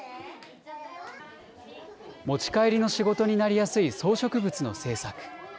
持ち帰りの仕事になりやすい装飾物の制作。